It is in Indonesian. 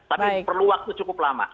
tapi perlu waktu cukup lama